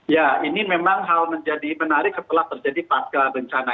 ya ini memang hal menjadi menarik setelah terjadi pasca bencana